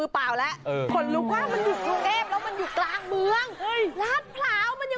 พี่พินโย